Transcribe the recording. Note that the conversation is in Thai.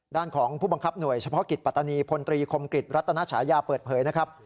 ด้านของผู้บังคับหน่วยเฉพาะกิจปัตตานีพลตรีคมกริจรัตนฉายาเปิดเผยนะครับ